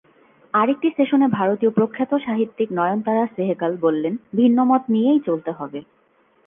আরেকটি সেশনে ভারতীয় প্রখ্যাত সাহিত্যিক নয়নতারা সেহগাল বললেন, ভিন্নমত নিয়েই চলতে হবে।